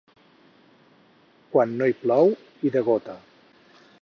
Quan no hi plou, hi degota.